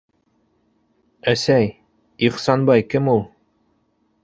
- Әсәй, Ихсанбай кем ул?